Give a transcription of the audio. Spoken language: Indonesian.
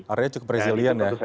harganya cukup resilient ya